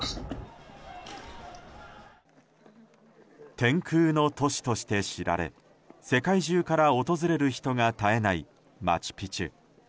天空都市として知られ世界中から訪れる人が絶えないマチュピチュ。